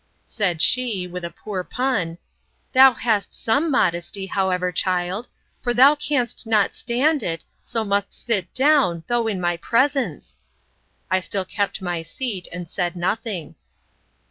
Said she, with a poor pun, Thou hast some modesty, however, child! for thou can'st not stand it, so must sit down, though in my presence!—I still kept my seat, and said nothing.